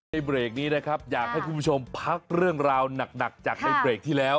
ในเบรกนี้นะครับอยากให้คุณผู้ชมพักเรื่องราวหนักจากในเบรกที่แล้ว